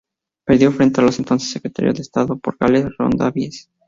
Perdió frente al entonces Secretario de Estado por Gales, Ron Davies.